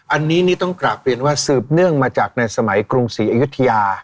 อันนี้นี่ต้องกลับเรียนว่าสืบเนื่องมาจากในสมัยกรุงศรีอยุธยา